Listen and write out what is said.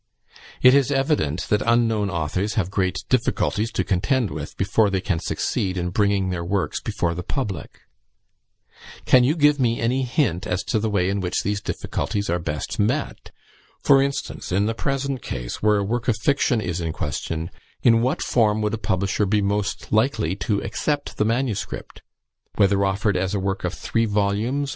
It is evident that unknown authors have great difficulties to contend with, before they can succeed in bringing their works before the public. Can you give me any hint as to the way in which these difficulties are best met? For instance, in the present case, where a work of fiction is in question, in what form would a publisher be most likely to accept the MS.? Whether offered as a work of three vols.